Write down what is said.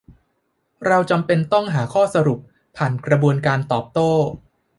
เราจำเป็นต้องหาข้อสรุปผ่านกระบวนการโต้ตอบ